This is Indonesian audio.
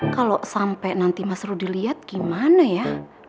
kalau sampai nanti mas rudy lihat gimana ya